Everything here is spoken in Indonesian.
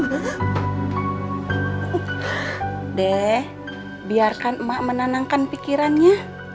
dek biarkan emak menenangkan pikirannya